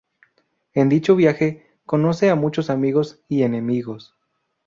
En dicho viaje, conocen a muchos amigos y enemigos.